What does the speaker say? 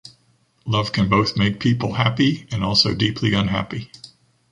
Love can both make people happy and also deeply unhappy.